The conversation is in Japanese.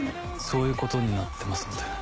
そういうことになってますので。